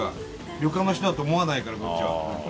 旅館の人だと思わないからこっちは。